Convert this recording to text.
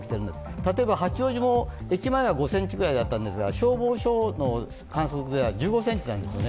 例えば八王子も駅前は５ｃｍくらいだったんですが、消防署の観測では１５ｃｍなんですよね。